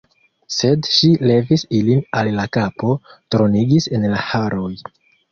Sed ŝi levis ilin al la kapo, dronigis en la haroj.